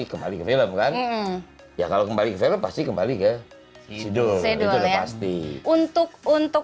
kembali ke film kan ya kalau kembali ke film pasti kembali ke sidul itu udah pasti untuk untuk